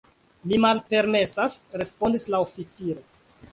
“Mi malpermesas,” respondis la oficiro.